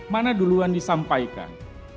mana duluan disampaikan